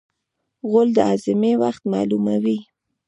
غول د هاضمې وخت معلوموي.